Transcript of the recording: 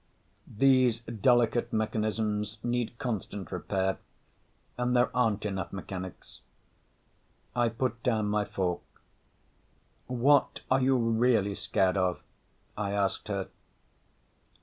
These delicate mechanisms need constant repair and there aren't enough mechanics. I put down my fork. "What are you really scared of?" I asked her.